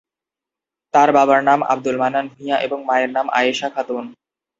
তার বাবার নাম আবদুল মান্নান ভূঁইয়া এবং মায়ের নাম আয়েশা খাতুন।